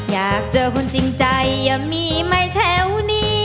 อยากเจอคนจริงใจมีไหมแถวนี้